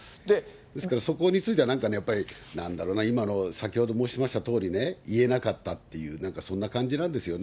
ですからそこについては、なんかね、やっぱりなんだろうな、今の、先ほど申しましたとおり、言えなかったっていう、そんな感じなんですよね。